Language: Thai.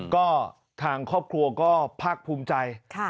ก็ทางครอบครัวก็ภาคภูมิใจ